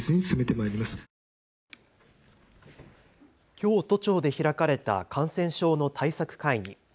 きょう都庁で開かれた感染症の対策会議。